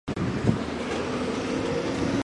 建炎四年出生。